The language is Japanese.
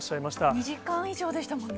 ２時間以上でしたもんね。